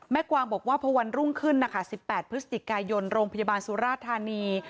แม่กวางบอกว่าพอวันรุ่งขึ้นสิบแปดพฤศติกายณ์โรงพยาบาลสุราธานี